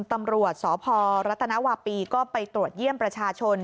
ตำรวจสพรัฐนาวาปีก็ไปตรวจเยี่ยมประชาชน